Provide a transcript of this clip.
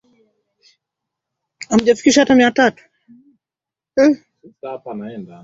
Wizara ya Elimu Zanziba Majukumu au shughuli